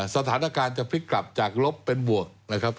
สถานการณ์จะพลิกกลับจากลบเป็นบวกนะครับ